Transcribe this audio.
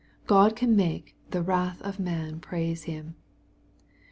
God can make the "wrath of man praise him."